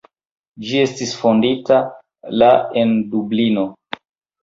Ĝi estis fondita la en Dublino.